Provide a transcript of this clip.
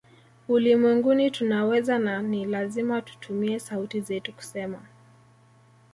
Ulimwenguni tunaweza na ni lazima tutumie sauti zetu kusema